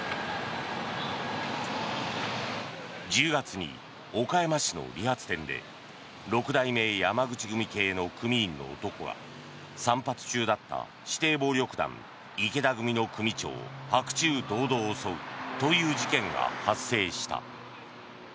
１０月に岡山市の理髪店で六代目山口組系の組員の男が散髪中だった指定暴力団池田組の組長を白昼堂々襲うという事件が発生した。